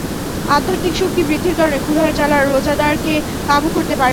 আধ্যাত্মিক শক্তি বৃদ্ধির কারণে ক্ষুধার জ্বালা রোজাদারকে কাবু করতে পারে না।